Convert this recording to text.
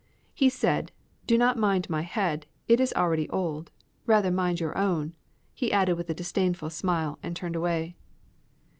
He said, "Do not mind my head; it is already old. Rather mind your own!" he added with a disdainful smile, and turned away.